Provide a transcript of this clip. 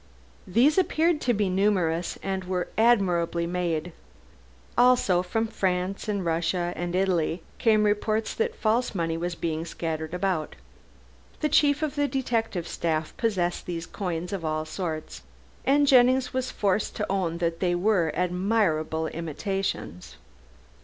These appeared to be numerous and were admirably made. Also from France and Russia and Italy came reports that false money was being scattered about. The chief of the detective staff possessed these coins of all sorts, and Jennings was forced to own that they were admirable imitations.